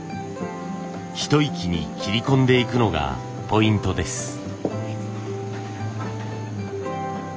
一息に切り込んでいくのがポイントです。